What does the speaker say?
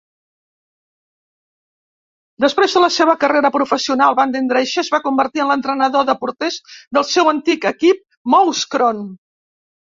Després de la seva carrera professional, Vandendriessche es va convertir en l'entrenador de porters del seu antic equip Mouscron.